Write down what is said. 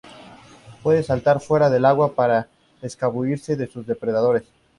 Puede saltar fuera del agua para escabullirse de sus depredadores.